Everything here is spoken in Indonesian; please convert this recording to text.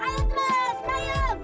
hei ada penyumas